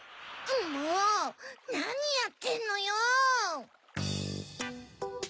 もうなにやってんのよ！